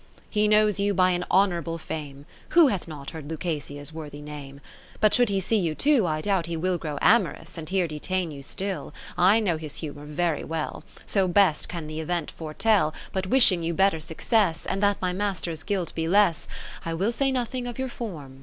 10 n He knows you by an honourable fame : Who hath not heard Lucasia's worthy name ? But should he see you too, I doubt he will Grow amorous, and here detain you still : I know his humour very well, So best can the event foretell. But wishing you better success. And that my Master's guilt be less, I will say nothing of your form.